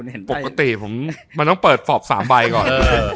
ปกติมันต้องเปิดฝั่ง๓ใบก่อน